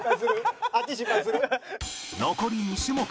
残り２種目